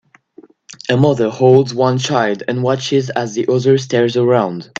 A mother holds one child and watches as the other stares around.